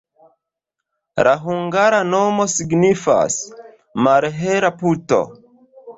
La hungara nomo signifas: malhela puto.